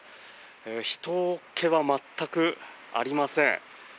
ひとけは全くありません。